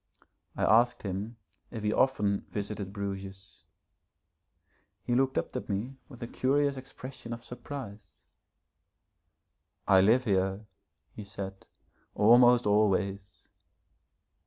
I asked him if he often visited Bruges. He looked up at me with a curious expression of surprise. 'I live here,' he said, 'almost always.'